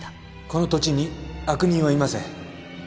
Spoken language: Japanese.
この土地に悪人はいません。